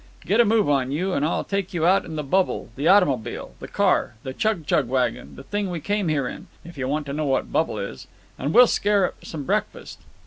Get a move on you, and I'll take you out in the bubble—the automobile, the car, the chug chug wagon, the thing we came here in, if you want to know what bubble is—and we'll scare up some breakfast."